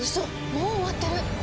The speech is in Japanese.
もう終わってる！